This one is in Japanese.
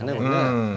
うん。